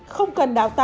không cần đào tạo